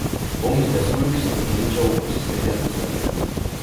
ომის დასრულებისას მიენიჭა უფროსი სერჟანტის წოდება.